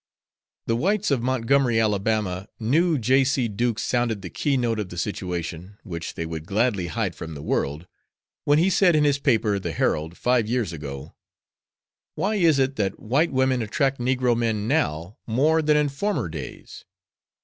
The whites of Montgomery, Ala., knew J.C. Duke sounded the keynote of the situation which they would gladly hide from the world, when he said in his paper, the Herald, five years ago: "Why is it that white women attract negro men now more than in former days?